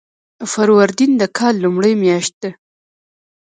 فروردین د کال لومړۍ میاشت ده.